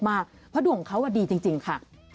เพราะดวงเขาดีจริงค่ะ